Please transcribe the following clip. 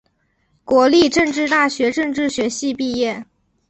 国立政治大学政治学系毕业。